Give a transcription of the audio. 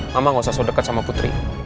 mama gak usah so deket sama putri